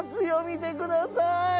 見てください！